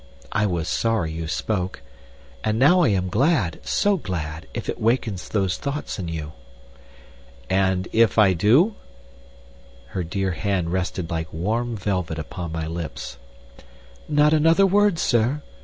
I was sorry you spoke. And now I am glad so glad if it wakens these thoughts in you!" "And if I do " Her dear hand rested like warm velvet upon my lips. "Not another word, Sir!